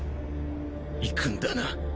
行くんだな？